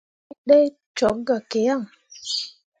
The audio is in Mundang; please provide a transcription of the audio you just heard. Wǝ ɗee cok gah ki yan.